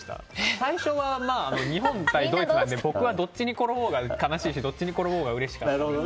最初は日本対ドイツで僕はどっちに転ぼうが悲しいしどっちに転ぼうがうれしいんですけど